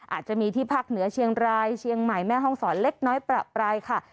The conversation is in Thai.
อาจจะมีที่ภาคเหนือเชียงรายเชียงใหม่แม่ห้องศรเล็กน้อยประปรายค่ะ